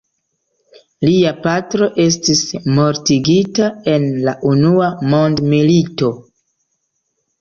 Lia patro estis mortigita en la unua mondmilito.